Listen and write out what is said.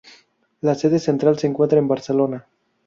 La sede central se encuentra en Barcelona.